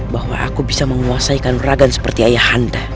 bahwa aku bisa menguasai kanuragan seperti ayahanda